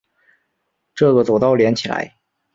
这个走道连起来